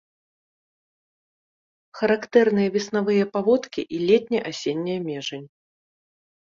Характэрныя веснавыя паводкі і летне-асенняя межань.